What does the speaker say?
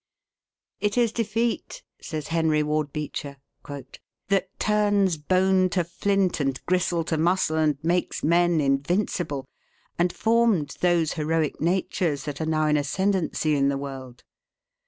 "It is defeat," says Henry Ward Beecher, "that turns bone to flint, and gristle to muscle, and makes men invincible, and formed those heroic natures that are now in ascendency in the world.